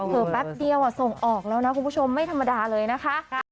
แป๊บเดียวส่งออกแล้วนะคุณผู้ชมไม่ธรรมดาเลยนะคะ